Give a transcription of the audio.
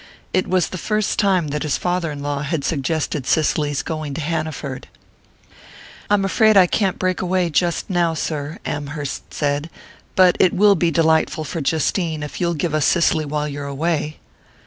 It was the first time that his father in law had suggested Cicely's going to Hanaford. "I'm afraid I can't break away just now, sir," Amherst said, "but it will be delightful for Justine if you'll give us Cicely while you're away."